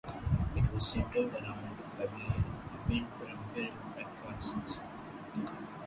It was centered around a pavilion meant for imperial breakfasts.